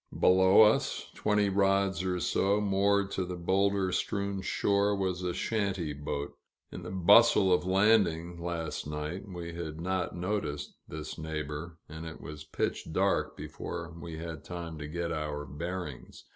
Below us, twenty rods or so, moored to the boulder strewn shore, was a shanty boat. In the bustle of landing, last night, we had not noticed this neighbor, and it was pitch dark before we had time to get our bearings.